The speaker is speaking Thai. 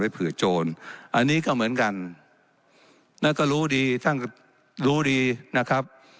เผื่อโจรอันนี้ก็เหมือนกันแล้วก็รู้ดีนะครับ